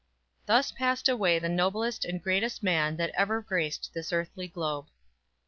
Thus passed away the noblest and greatest man that ever graced this earthly globe.